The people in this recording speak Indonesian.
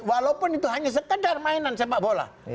walaupun itu hanya sekedar mainan sepak bola